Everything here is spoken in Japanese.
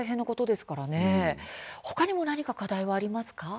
他にも何か課題はありますか。